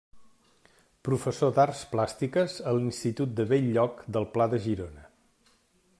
Professor d'arts plàstiques a l'Institut de Bell-lloc del Pla de Girona.